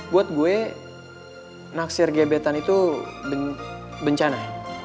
buat gue naksir gebetan itu bencana